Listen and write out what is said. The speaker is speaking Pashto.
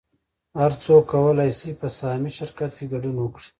هر څوک کولی شي په سهامي شرکت کې ګډون وکړي